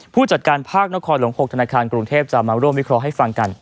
ผู้จัดการภาคนครหลวง๖ธนาคารกรุงเทพจะมาร่วมวิเคราะห์ให้ฟังกัน